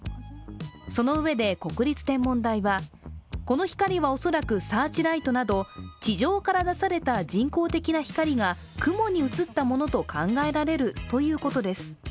そのうえで国立天文台は、この光は恐らくサーチライトなど地上から出された人工的な光が雲に映ったものと考えられるとのこと。